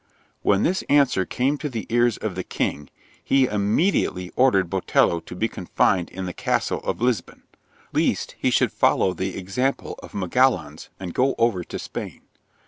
When this answer came to the ears of the king, he immediately ordered Botelho to be confined in the castle of Lisbon, lest he should follow the example of Megalhaens, and go over to Spain.